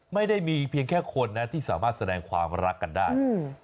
ไม่ได้มีเพียงแค่คนนะที่สามารถแสดงความรักกันได้